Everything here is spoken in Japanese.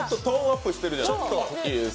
トーンアップしてるじゃない。